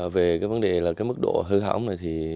về vấn đề mức độ hư hỏng này